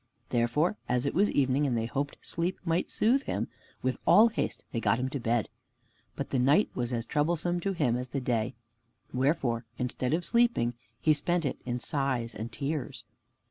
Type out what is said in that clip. Therefore, as it was evening, and they hoped sleep might soothe him, with all haste they got him to bed. But the night was as troublesome to him as the day, wherefore instead of sleeping he spent it in sighs and tears.